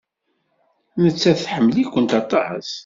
Nettat tḥemmel-ikent aṭas.